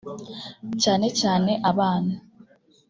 cyane cyane abana